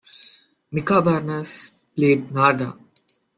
Mica Bernas played Narda.